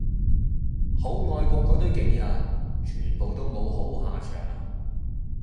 好愛國嗰堆勁人，全部都冇好下場